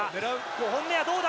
５本目はどうだ？